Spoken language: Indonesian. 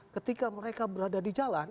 ketika mereka berada di jalan